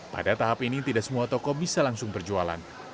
pada tahap ini tidak semua toko bisa langsung berjualan